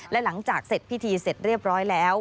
และหลังจากเสร็จพิธีเสร็จเรียบร้อยแล้ว